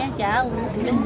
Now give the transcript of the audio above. yang bedanya jauh lebih